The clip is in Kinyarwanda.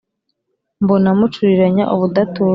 Mbona mucuriranya ubudatuza